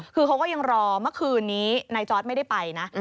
คือเขาก็ยังรอเมื่อคืนนี้นายจอร์ดไม่ได้ไปนะ